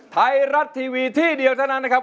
ไทยรัฐทีวีที่เดียวเท่านั้นนะครับ